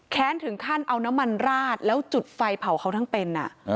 แค้นถึงขั้นเอาน้ำมันราดแล้วจุดไฟเผาเขาทั้งเป็น